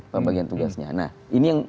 pembagian tugasnya nah ini yang